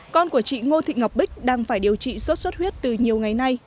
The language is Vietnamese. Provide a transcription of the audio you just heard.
con của chị ngô thị ngọc bích đang phải điều trị sốt xuất huyết từ nhiều ngày nay